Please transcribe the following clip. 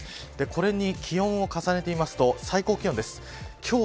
これに気温を重ねてみますと最高気温です。